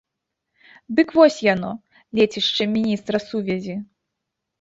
Дык вось яно, лецішча міністра сувязі.